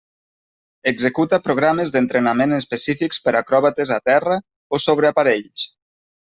Executa programes d'entrenament específics per acròbates a terra o sobre aparells.